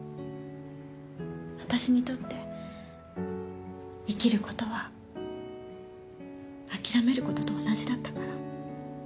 私にとって生きる事は諦める事と同じだったから。